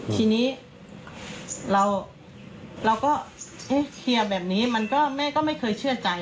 ทีนี้เราก็เคลียร์แบบนี้แม่ก็ไม่เคยเชื่อใจ